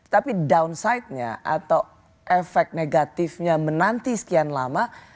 tapi downside nya atau efek negatifnya menanti sekian lama